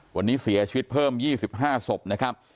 วันนี้เสียชีวิตเพิ่ม๒๕ศพนะครับ